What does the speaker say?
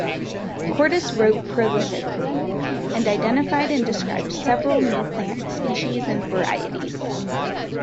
Cordus wrote prolifically, and identified and described several new plant species and varieties.